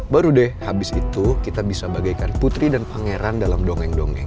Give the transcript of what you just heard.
baru deh habis itu kita bisa bagaikan putri dan pangeran dalam dongeng dongeng